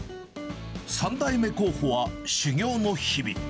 ３代目候補は修業の日々。